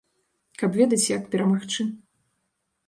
Каб ведаць, як перамагчы.